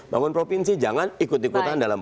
bangun provinsi jangan ikut ikutan dalam